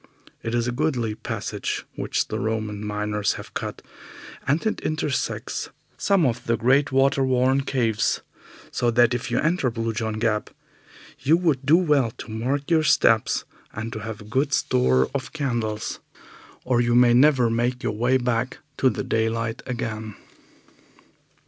It is a goodly passage which the Roman miners have cut, and it intersects some of the great water worn caves, so that if you enter Blue John Gap you would do well to mark your steps and to have a good store of candles, or you may never make your way back to the daylight again.